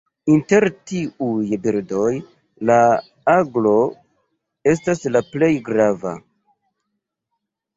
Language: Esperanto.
Inter tiuj birdoj la aglo estas la plej grava.